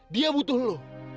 dia butuh lo